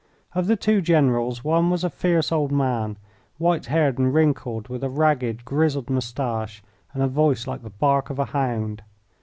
Of the two generals, one was a fierce old man, white haired and wrinkled, with a ragged, grizzled moustache and a voice like the bark of a hound.